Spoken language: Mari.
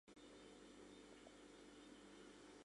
Адак кок-кум лостыкшо эртак воштылтышан, мыскаран лийман.